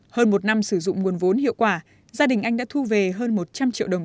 hơn một năm sử dụng nguồn vốn hiệu quả gia đình anh đã thu về hơn một trăm linh triệu đồng